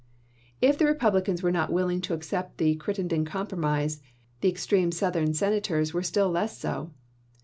If the Republicans were not willing to accept the Crittenden compromise, the extreme Southern Sen ators were still less so.